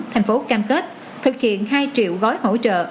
tp hcm thực hiện hai triệu gói hỗ trợ